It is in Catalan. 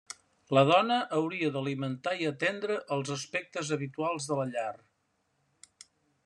La dona hauria d'alimentar i atendre els aspectes habituals de la llar.